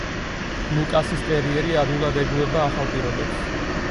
ლუკასის ტერიერი ადვილად ეგუება ახალ პირობებს.